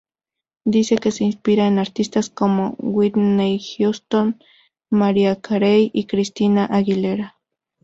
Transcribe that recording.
Dice que se inspira en artistas como Whitney Houston, Mariah Carey y Christina Aguilera.